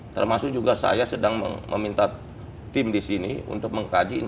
termasuk juga saya sedang meminta tim disini untuk mengkaitkan